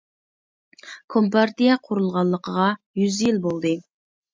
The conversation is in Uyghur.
كومپارتىيە قۇرۇلغانلىقىغا يۈز يىل بولدى.